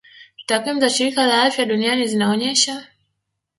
Takwimu za shirika la afya duniani zinaonyesha